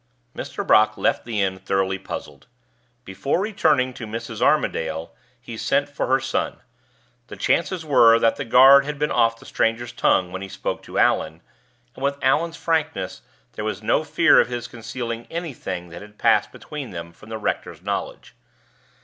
Mr. Brock left the inn thoroughly puzzled. Before returning to Mrs. Armadale he sent for her son. The chances were that the guard had been off the stranger's tongue when he spoke to Allan, and with Allan's frankness there was no fear of his concealing anything that had passed between them from the rector's knowledge.